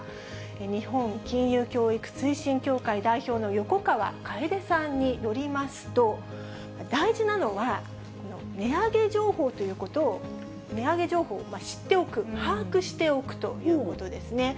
日本金融教育推進協会の代表の横川楓さんによりますと、大事なのは、値上げ情報ということを知っておく、把握しておくということですね。